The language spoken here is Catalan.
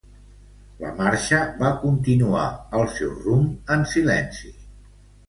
La marxa va continuar el seu rumb en silenci.